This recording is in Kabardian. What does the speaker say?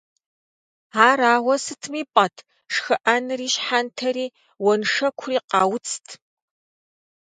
Ар ауэ сытми пӀэт, шхыӀэнри, щхьэнтэри, уэншэкури къауцт.